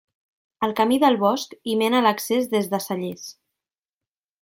El camí del Bosc hi mena l'accés des de Cellers.